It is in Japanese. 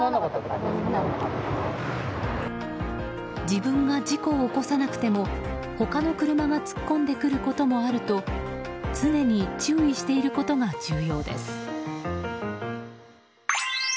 自分が事故を起こさなくても他の車が突っ込んでくることもあると常に注意していることが重要です。